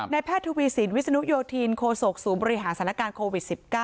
ในแพทย์ทวีสินวิศนุโยธีนโคโศกสูงบริหารสำนักการโควิด๑๙